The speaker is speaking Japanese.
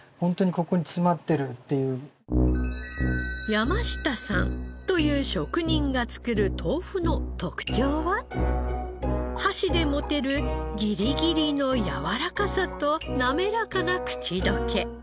「山下さん」という職人が作る豆腐の特長は箸で持てるギリギリのやわらかさと滑らかな口溶け。